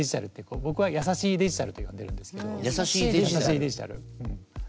僕は優しいデジタルと呼んでるんですけど。